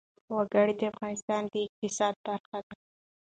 وګړي د افغانستان د اقتصاد برخه ده.